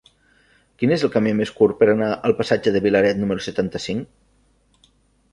Quin és el camí més curt per anar al passatge de Vilaret número setanta-cinc?